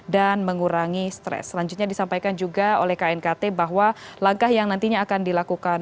dan mengurangi stres selanjutnya disampaikan juga oleh knkt bahwa langkah yang nantinya akan dilakukan